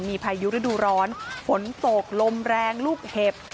มีพายุฤดูร้อนฝนตกลมแรงลูกเห็บ